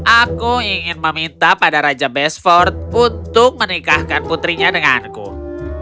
aku ingin meminta pada raja bessford untuk menikahkan putrinya denganku